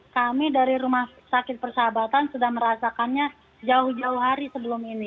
kami dari rumah sakit persahabatan sudah merasakannya jauh jauh hari sebelum ini